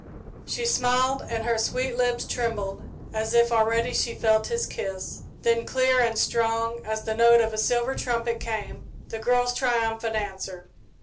She smiled and her sweet lips trembled as if already she felt his kiss, then clear and strong as the note of a silver trumpet came the girl's triumphant answer.